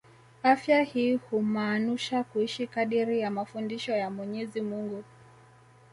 Afya hii humaanusha kuishi kadiri ya mafundisho ya Mwenyezi Mungu